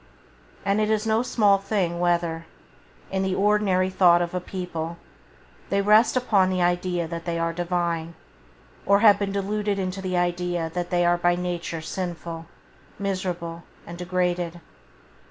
And it is no small thing whether, in the ordinary thought of a people, they rest upon the idea that they are divine, or have been deluded into the idea that they are by nature sinful, miserable and degraded.